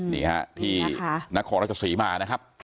นี่ค่ะที่นักของราชสีมานะครับ